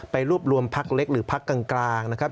ไปรวบรวมพักเล็กหรือพักกลางนะครับ